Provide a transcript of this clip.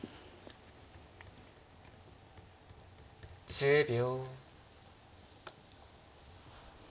１０秒。